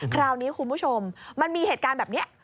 คราวนี้คุณผู้ชมมันมีเหตุการณ์แบบนี้